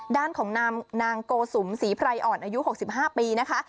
ด้านของนางโกสุมศรีไพรอ่อนอายุ๖๕ปีนะคะ